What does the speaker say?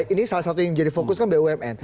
ini salah satu yang jadi fokus kan bumn